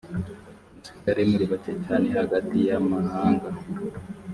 musigare muri bake cyane hagati y’amahanga